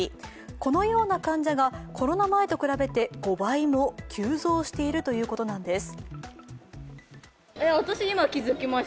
このような患者がコロナ前と比べて５倍も急増しているということなんです。